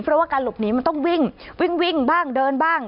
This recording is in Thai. เพราะว่าการหลบหนีมันต้องวิ่งวิ่งบ้างเดินบ้าง